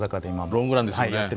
ロングランですよね。